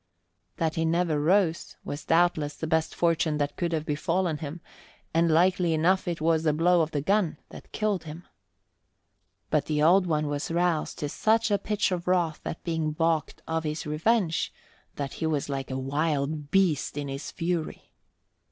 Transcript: That he never rose was doubtless the best fortune that could have befallen him, and likely enough it was the blow of the gun that killed him. But the Old One was roused to such a pitch of wrath at being balked of his revenge that he was like a wild beast in his fury.